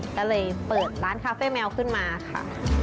ก็เลยเปิดร้านคาเฟ่แมวขึ้นมาค่ะ